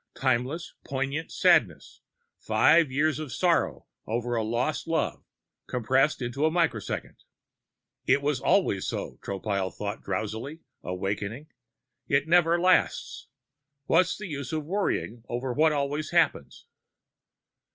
Timeless poignant sadness, five years of sorrow over a lost love compressed into a microsecond. It was always so, Tropile thought drowsily, awakening. It never lasts. What's the use of worrying over what always happens....